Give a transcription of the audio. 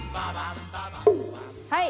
はい。